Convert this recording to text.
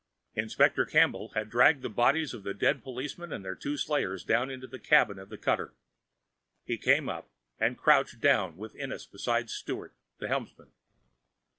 Inspector Campbell had dragged the bodies of the dead policemen and their two slayers down into the cabin of the cutter. He came up and crouched down with Ennis beside Sturt, the helmsman.